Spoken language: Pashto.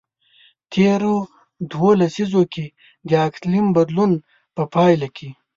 تیرو دوو لسیزو کې د اقلیم د بدلون په پایله کې.